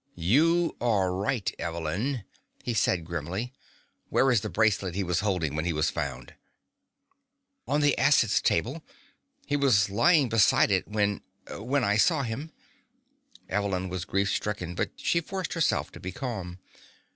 "You are right, Evelyn," he said grimly. "Where is the bracelet he was holding when he was found?" "On the acids table. He was lying beside it when when I saw him." Evelyn was grief stricken, but she forced herself to be calm.